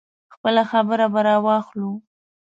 خپله خبره به راواخلو.